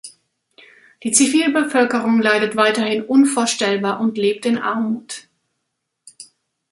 Die Zivilbevölkerung leidet weiterhin unvorstellbar und lebt in Armut.